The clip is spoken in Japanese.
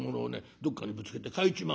どっかにぶつけて欠いちまうんだよ。